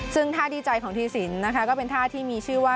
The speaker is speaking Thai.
ซึ่งท่าดีใจของทีสินนะคะก็เป็นท่าที่มีชื่อว่า